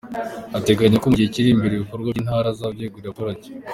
Ateganya ko mu gihe kiri imbere ibikorwa by’i Ntarama azabyegurira abaturage.